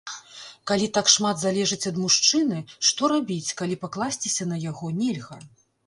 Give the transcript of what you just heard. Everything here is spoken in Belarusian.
Калі так шмат залежыць ад мужчыны, што рабіць, калі пакласціся на яго нельга?